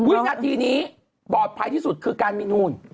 วินาทีนี้ปลอดภัยที่สุดคือการมีนูน